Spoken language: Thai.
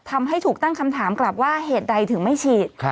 ทำให้ถูกตั้งคำถามกลับว่าเหตุใดถึงไม่ฉีด